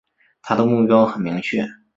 他的目标很明确